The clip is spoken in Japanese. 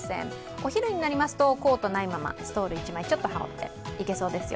お昼になりますと、コートないままストール１枚ちょっと羽織っていけそうですよ。